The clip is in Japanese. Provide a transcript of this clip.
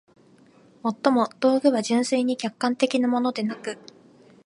尤も、道具は純粋に客観的なものでなく、